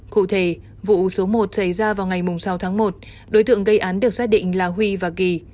cụ thể vụ số một xảy ra vào ngày sáu tháng một đối tượng gây án được xác định là huy và kỳ